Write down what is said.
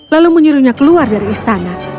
lalu menyuruhnya keluar dari istana